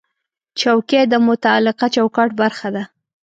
چوکۍ د متعلقه چوکاټ برخه ده.